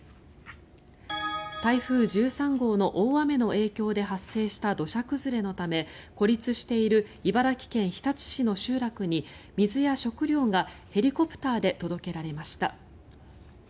台風１３号の大雨の影響で発生した土砂崩れのため孤立している茨城県日立市の集落に水や食料がヘリコプターで届けられました。